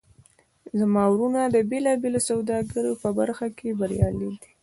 زما وروڼه د بیلابیلو سوداګریو په برخه کې بریالي دي